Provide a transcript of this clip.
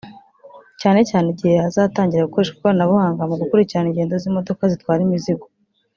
cyane cyane igihe hazatangira gukoreshwa ikoranabuhanga mu gukurikirana ingendo z’imodoka zitwara imizigo